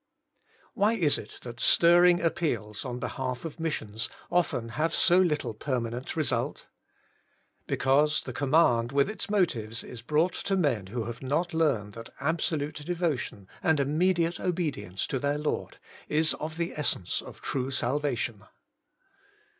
1. Why is it that stirring appeals on behalf of missions often have so little permanent result? Because the command with its motives is brought to men who have not learned that absolute devo tion and immediate obedience to their Lord is of the essence of true i^alvation.